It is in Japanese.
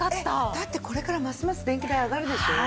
だってこれからますます電気代上がるでしょ？